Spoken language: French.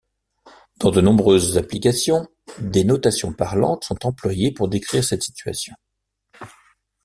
Dans de nombreuses applications, des notations parlantes sont employées pour décrire cette situation.